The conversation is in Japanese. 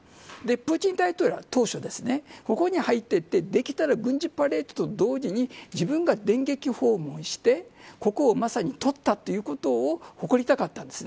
プーチン大統領は当初ここに入っていってできたら軍事パレードと同時に自分が電撃訪問をしてここを、まさに取ったということを誇りたかったんです。